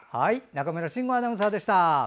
中村慎吾アナウンサーでした。